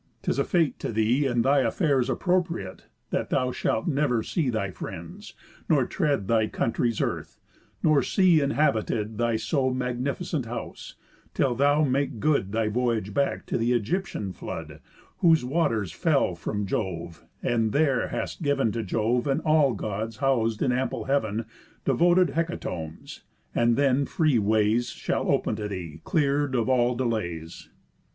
'Tis a fate To thee and thy affairs appropriate, That thou shalt never see thy friends, nor tread Thy country's earth, nor see inhabited Thy so magnificent house, till thou make good Thy voyage back to the Ægyptian flood, Whose waters fell from Jove, and there hast giv'n To Jove, and all Gods housed in ample heav'n, Devoted hecatombs, and then free ways Shall open to thee, clear'd of all delays.